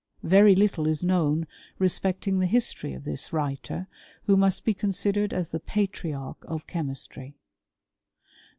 * Very little is known respecting the history of this writer, who must be considered as the patriarch of chemistry.